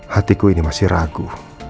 hatiku ini masih ragu